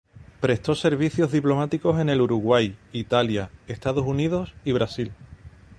Prestó servicios diplomáticos en el Uruguay, Italia, Estados Unidos y Brasil.